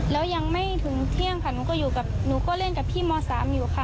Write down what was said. แล้วยังไม่ถึงเที่ยงค่ะหนูก็เล่นกับพี่ม๓อยู่ค่ะ